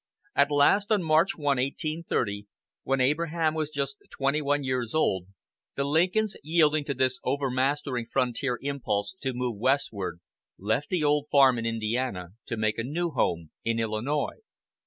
At last, on March 1, 1830, when Abraham was just twenty one years old, the Lincolns, yielding to this overmastering frontier impulse to "move" westward, left the old farm in Indiana to make a new home in Illinois.